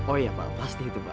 oh iya pak pasti itu pak